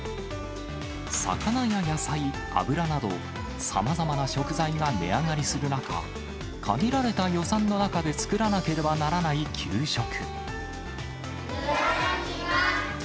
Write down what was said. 魚や野菜、油など、さまざまな食材が値上がりする中、限られた予算の中で作らなければいただきます。